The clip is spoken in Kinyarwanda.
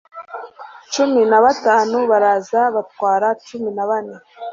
cumi na batanu baraza batwara cumi na bane